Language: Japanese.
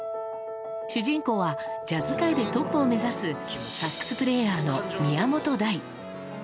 主人公は、ジャズ界でトップを目指すサックスプレーヤーの宮本大。